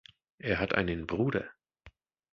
Er hat einen Bruder.